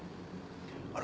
あれ？